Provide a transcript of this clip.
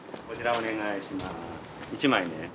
「お願いします」って。